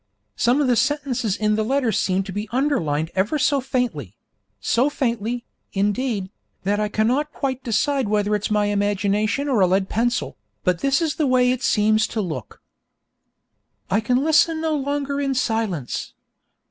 Some of the sentences in the letter seem to be underlined ever so faintly; so faintly, indeed, that I cannot quite decide whether it's my imagination or a lead pencil, but this is the way it seems to look: 'I can listen no longer in silence.